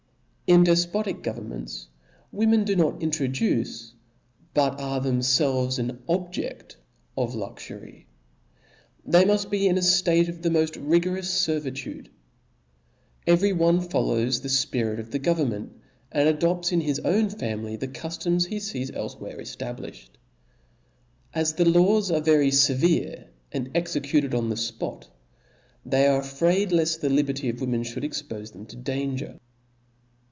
In defpotic governments women do not intro duce, but are themfelves an objedt of, luxury. They muft be in a ftate of the moft rigorous fer vitude. Every one follows the fpirit oftht govern ment, and adopts in his own family the cuftoms he fees elfewhere eftabliflied. As the laws are very fevcre and executed on the'fpot, they are afraid left the liberty of women (hould expofe them to danger.